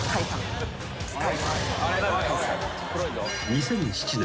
［２００７年。